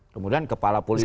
kemudian kepala politik